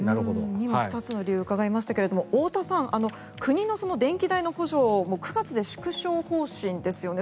２つの理由を伺いましたが太田さん、国の電気代の補助も９月で縮小方針ですよね。